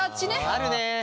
あるね。